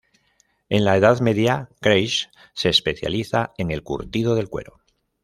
En la Edad Media, Grasse se especializa en el curtido del cuero.